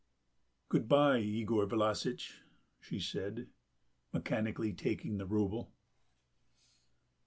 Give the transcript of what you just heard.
"Good bye, Yegor Vlassitch," she said, mechanically taking the rouble.